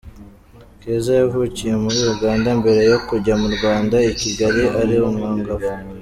Keza yavukiye muri Uganda mbere yo kujya mu Rwanda, i Kigali, ari umwangavu.